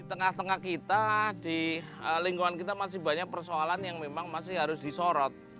di tengah tengah kita di lingkungan kita masih banyak persoalan yang memang masih harus disorot